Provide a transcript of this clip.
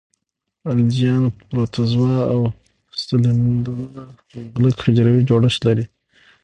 الجیان، پروتوزوا او سلیمولدونه مغلق حجروي جوړښت لري.